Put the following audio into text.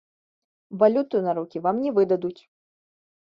Валюту на рукі вам не выдадуць!